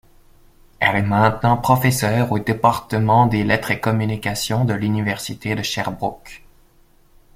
Elle est maintenant professeure au Département des lettres et communications de l'Université de Sherbrooke.